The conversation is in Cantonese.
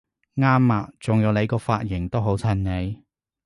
啱吖！仲有你個髮型都好襯你！